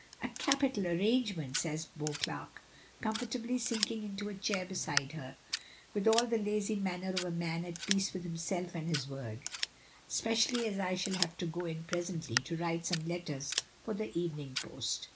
"A capital arrangement," says Beauclerk, comfortably sinking into a chair beside her, with all the lazy manner of a man at peace with himself and his world, "especially as I shall have to go in presently to write some letters for the evening post."